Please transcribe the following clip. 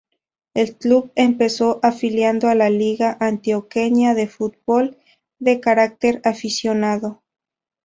El club empezó afiliado a la Liga Antioqueña de Fútbol, de carácter aficionado.